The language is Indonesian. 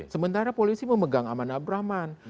sementara polisi memegang aman abdurrahman